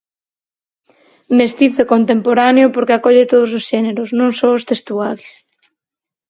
Mestizo e contemporáneo porque acolle todos os xéneros, non só os textuais.